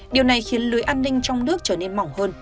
điều này khiến lưới an ninh trong nước trở nên mỏng hơn